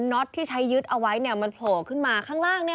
น็อตที่ใช้ยึดเอาไว้มันโผล่ขึ้นมาข้างล่าง